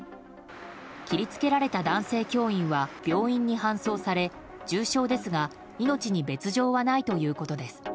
切り付けられた男性教員は病院に搬送され重傷ですが命に別条はないということです。